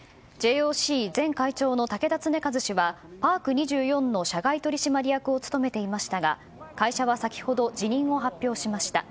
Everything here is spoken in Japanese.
ＪＯＣ前会長の竹田恒和氏はパーク２４の社外取締役を務めていましたが会社は先ほど辞任を発表しました。